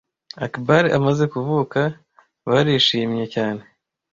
Akbar amaze kuvuka, barishimwye cyane